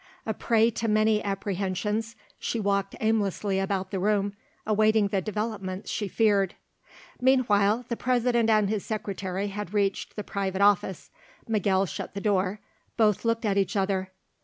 A prey to many apprehensions she walked aimlessly about the room, awaiting the developements she feared. Meanwhile the President and his secretary had reached the private office. Miguel shut the door. Both looked at each other.